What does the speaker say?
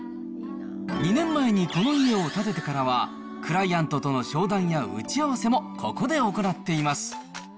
２年前にこの家を建ててからは、クライアントとの商談や打ち合わせもここで行っています。